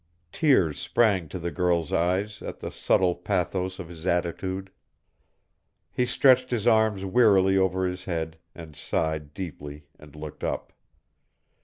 Tears sprang to the girl's eyes at the subtle pathos of his attitude. He stretched his arms wearily over his head, and sighed deeply and looked up.